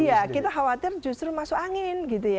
iya kita khawatir justru masuk angin gitu ya